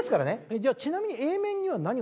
じゃあちなみに。